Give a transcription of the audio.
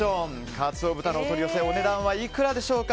鰹豚のお取り寄せお値段はいくらでしょうか。